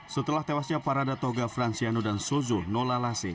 setelah tewasnya para datoga franciano dan sozo nolalase